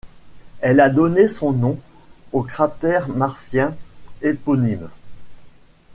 Elle a donné son nom au cratère martien éponyme.